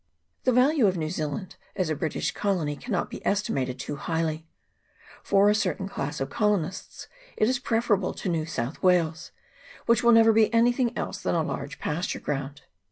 The value of New Zealand as a British colony cannot be estimated too highly. For a certain class of colonists it is preferable to New South Wales, which will never be anything else than a large pasture ground.